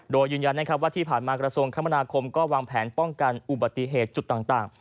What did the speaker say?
โดยยืนยันว่าที่ผ่านมากรสงค์คมก็วางแผนป้องกันอุบัติเหตุจุดต่าง